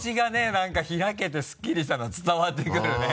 何か開けてすっきりしたの伝わってくるね。